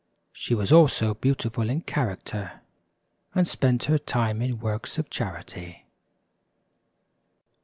She was also beautiful in character, and spent her time in works of charity.